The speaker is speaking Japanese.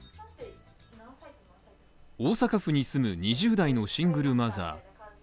大阪府に住む２０代のシングルマザー